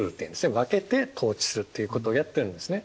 分けて統治するっていうことをやってるんですね。